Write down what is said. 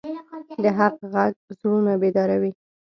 د حق غږ زړونه بیداروي